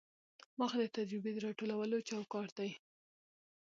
وخت د تجربې د راټولولو چوکاټ دی.